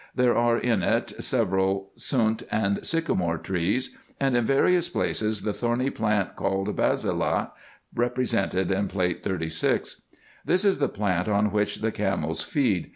There are in it several sunt and sycamore trees, and in various places the thorny plant called basillah, represented in Plate 36. This is the plant on winch the camels feed.